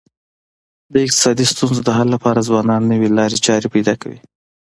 د اقتصادي ستونزو د حل لپاره ځوانان نوي لاري چاري پیدا کوي.